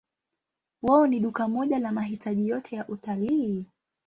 Wao ni duka moja la mahitaji yote ya utalii.